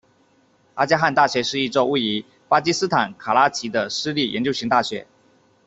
阿迦汗大学是一座位于巴基斯坦卡拉奇的私立研究型大学。